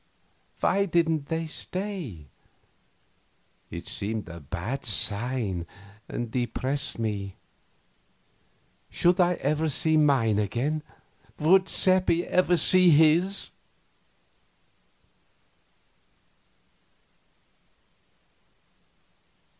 Why didn't they stay? It seemed a bad sign, and depressed me. Should I ever see mine again? Would Seppi ever see his?